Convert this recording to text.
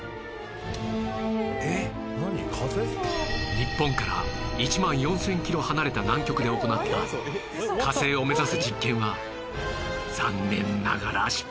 日本から１万４０００キロ離れた南極で行った火星を目指す実験は残念ながら失敗に終わった